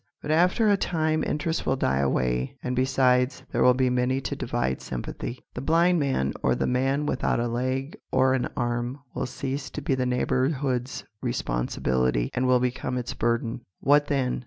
But after a time interest will die away, and besides, there will be many to divide sympathy. The blind man, or the man without a leg or an arm, will cease to be the neighbourhood's responsibility and will become its burden. What then?